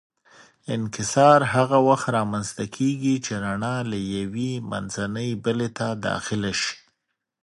انکسار هغه وخت رامنځته کېږي چې رڼا له یوې منځنۍ بلې ته داخله شي.